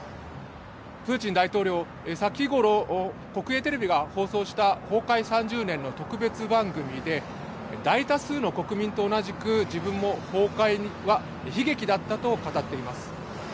プーチン大統領、先ごろ国営テレビが放送した崩壊３０年の特別番組で大多数の国民と同じく自分も崩壊は悲劇だったと語っています。